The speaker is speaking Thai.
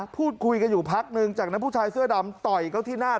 พูดคุยกันอยู่พักนึงจากนั้นผู้ชายเสื้อดำต่อยเขาที่หน้า